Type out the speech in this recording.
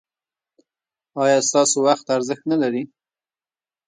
ایا ستاسو وخت ارزښت نلري؟